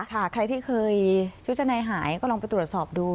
ใครที่เคยชุดชะในหายก็ลองไปตรวจสอบดู